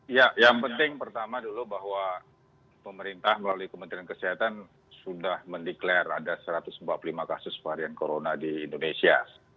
ya yang penting pertama dulu bahwa pemerintah melalui kementerian kesehatan sudah mendeklarasi ada satu ratus empat puluh lima kasus varian corona di indonesia